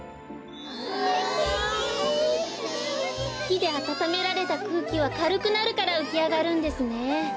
ひであたためられたくうきはかるくなるからうきあがるんですね。